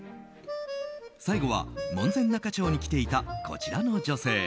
最後は門前仲町に来ていたこちらの女性。